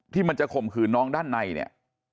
ที่มันจะข่มขืนน้องด้านในเนี่ย